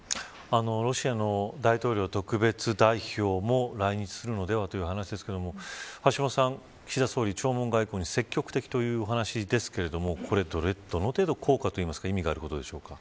ロシアの大統領特別代表も来日するのではという話ですけども橋下さん、岸田総理、弔問外交に積極的というお話ですがこれ、どの程度効果というか意味があることでしょうか。